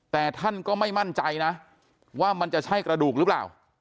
แต่ท่านก็ไม่มั่นใจนะว่ามันจะใช่กระดูกหรือเปล่า